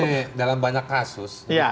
ini dalam banyak kasus